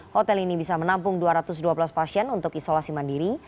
hotel ini bisa menampung dua ratus dua belas pasien untuk isolasi mandiri